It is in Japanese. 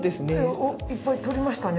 いっぱい取りましたね。